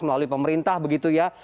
melalui pemerintah begitu ya